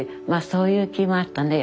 そういう気もあったね